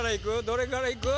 どれからいく？